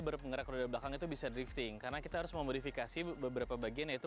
bergerak roda belakang itu bisa drifting karena kita harus memodifikasi beberapa bagian yaitu